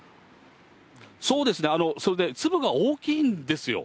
そうですね、それで粒が大きいんですよ。